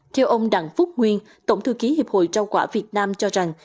theo ông đặng phúc nguyên tổng thư ký hiệp hội trao quả việt nam cho rằng